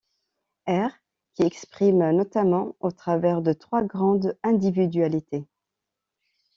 Ère qui s'exprime notamment au travers de trois grandes individualités.